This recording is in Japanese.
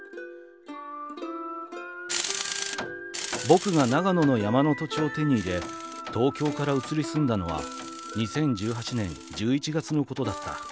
「ボクが長野の山の土地を手に入れ、東京から移り住んだのは２０１８年１１月のことだった。